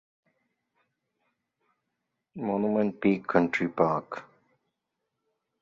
Monument Peak County Park.